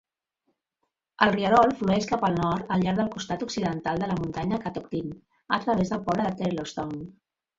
El rierol flueix cap al nord al llarg del costat occidental de la muntanya Catoctin a través del poble de Taylorstown.